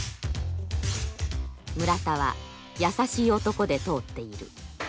村田は優しい男で通っている。